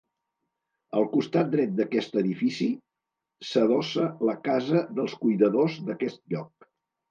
Al costat dret d'aquest edifici s'adossa la casa dels cuidadors d'aquest lloc.